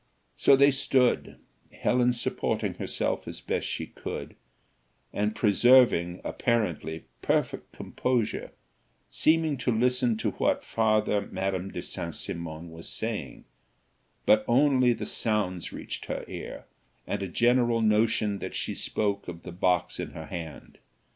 So they stood, Helen supporting herself as best she could, and preserving, apparently, perfect composure, seeming to listen to what farther Madame de St. Cymon was saying; but only the sounds reached her ear, and a general notion that she spoke of the box in her hand.